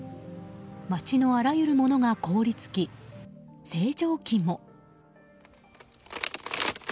街のあらゆるものが凍り付き星条旗も。